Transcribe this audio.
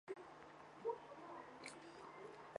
该地以铜业知名。